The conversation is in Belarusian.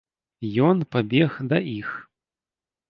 Ён пабег да іх.